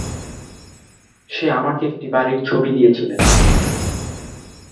সে আমাকে একটি বাড়ির ছবি দিয়েছিলেন।